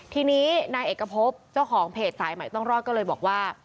ทีนี้นายเอกพบเจ้าของเพจสายใหม่ต้องรอดก็เลยบอกว่า